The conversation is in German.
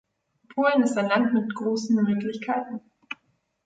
Polen ist ein Land mit großen Möglichkeiten.